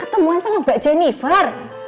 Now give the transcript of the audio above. ketemuan sama mbak jennifer